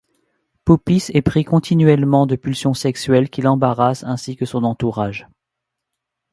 Puppis est pris continuellement de pulsions sexuelles qui l’embarrassent ainsi que son entourage.